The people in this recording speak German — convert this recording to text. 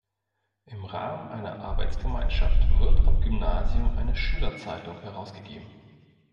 Im Rahmen einer Arbeitsgemeinschaft wird am Gymnasium eine Schülerzeitung herausgegeben.